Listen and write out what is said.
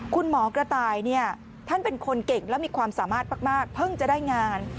คุณหมอกระต่ายท่านเป็นคนเก่งและมีความสามารถมากเพิ่งจะได้งาน